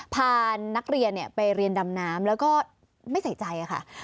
พานักเรียนไปเรียนดำน้ำแล้วก็ไม่ใส่ใจค่ะ